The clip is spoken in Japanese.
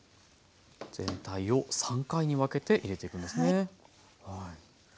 全体を３回に分けて入れていくんですね。